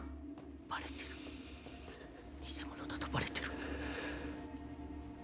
バレてる偽物だとバレてる∈